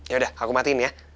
yaudah aku matiin ya